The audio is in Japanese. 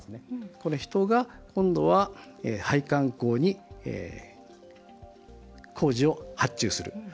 この人が今度は配管工に工事を発注する。